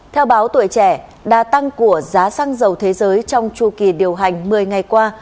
theo báo tuổi trẻ đa tăng của giá xăng dầu thế giới trong chu kỳ điều hành một mươi ngày qua